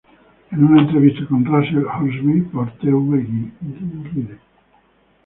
En una entrevista con Rusell Hornsby por Tv Guide.